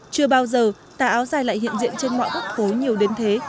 chưa bao giờ tà áo dài lại hiện diện trên mọi khúc phố nhiều đến thế